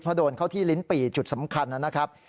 เพราะโดนเข้าที่ลิ้นปี่จุดสำคัญนะครับ